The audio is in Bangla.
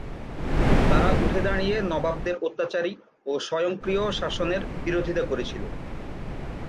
তারা উঠে দাঁড়িয়ে নবাবদের অত্যাচারী ও স্বয়ংক্রিয় শাসনের বিরোধিতা করেছিল।